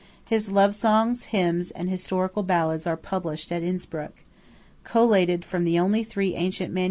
His love songs, hymns, and historical ballads are published at Innspruck, collated from the only three ancient MS.